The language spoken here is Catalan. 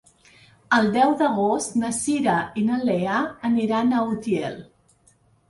El deu d'agost na Cira i na Lea aniran a Utiel.